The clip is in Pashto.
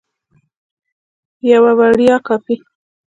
یوه وړیا کاپي